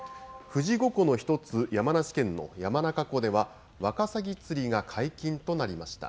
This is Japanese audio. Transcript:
富士五湖の１つ、山梨県の山中湖では、ワカサギ釣りが解禁となりました。